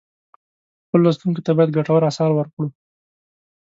خپلو لوستونکو ته باید ګټور آثار ورکړو.